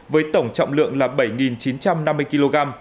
với tổng trọng lượng là bảy chín trăm năm mươi kg